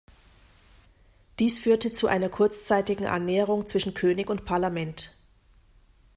Dies führte zu einer kurzzeitigen Annäherung zwischen König und Parlament.